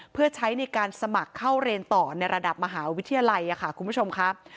เพื่อใช้ในการสมัครเข้าเรียนต่อในระดับมหาวิทยาลัยค่ะคุณผู้ชมครับ